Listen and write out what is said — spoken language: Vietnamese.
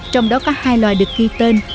trong đó có hai loài được ghi tên